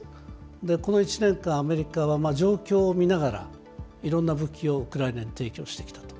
この１年間、アメリカは状況を見ながら、いろんな武器をウクライナに提供してきたと。